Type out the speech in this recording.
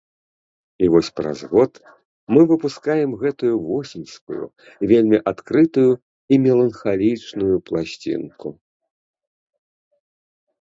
І вось праз год мы выпускаем гэтую восеньскую, вельмі адкрытую і меланхалічнай пласцінку.